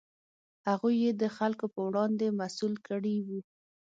هغوی یې د خلکو په وړاندې مسوول کړي وو.